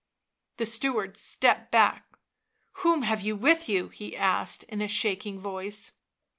The steward stepped back. 7 Whom have you with you V* he asked in a shaking voice.